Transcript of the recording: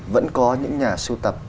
vẫn có những nhà sưu tập